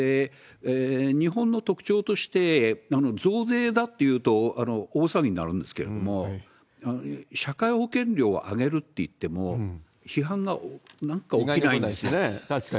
日本の特徴として、増税だっていうと大騒ぎになるんですけれども、社会保険料を上げるといっても、批判がなんか起きにくいんですよね。